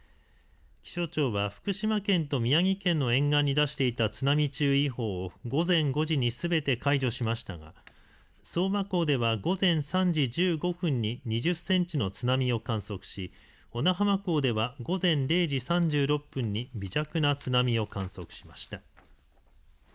気象庁は福島県と宮城県の沿岸に出していた津波注意報を午前５時にすべて解除しましたが相馬港では午前３時１５分に２０センチの津波を観測し小名浜港では午前０時３６分に微弱な津波を観測しました。